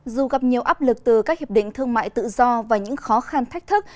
dù gặp nhiều áp lực từ các hiệp định thương mại tự do và những khó khăn thách thức